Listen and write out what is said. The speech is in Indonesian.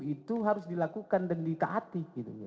itu harus dilakukan dan ditaati